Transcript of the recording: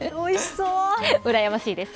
うらやましいですね。